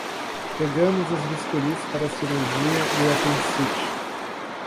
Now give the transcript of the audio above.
Pegamos os bisturis para a cirurgia de apendicite